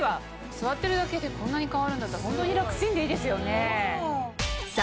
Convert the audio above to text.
座ってるだけでこんなに変わるんだったらホントに楽ちんでいいですよね。